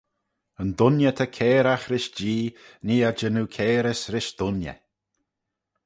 "Yn dooinney ta cairagh rish Jee; nee eh jannoo cairys rish dooinney."